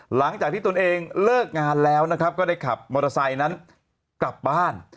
หลังจากที่ตนเองเลิกงานแล้วนะครับก็ได้ขับมอเตอร์ไซค์นั้นกลับบ้าน